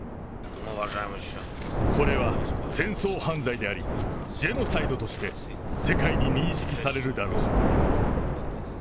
これは戦争犯罪であり、ジェノサイドとして世界に認識されるだろう。